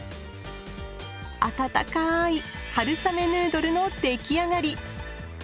温かい春雨ヌードルの出来上がり！